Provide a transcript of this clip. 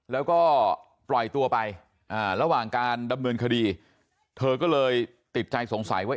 แล้วก็ปล่อยตัวไประหว่างการดำเนินคดีเธอก็เลยติดใจสงสัยว่า